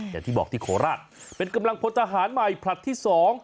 อย่างที่บอกที่โคราชเป็นกำลังพลทหารใหม่ผลัดที่๒